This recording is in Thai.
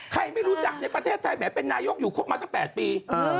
ใครไม่รู้จักในประเทศไทยแหมเป็นนโยคอยู่มา๘ปี